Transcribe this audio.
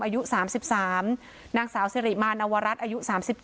อายุ๓๓นางสาวสิริมาณวรัฐอายุ๓๗